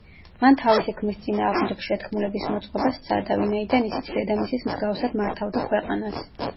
მან თავისი ქმრის წინააღმდეგ შეთქმულების მოწყობა სცადა, ვინაიდან ისიც დედამისის მსგავსად მართავდა ქვეყანას.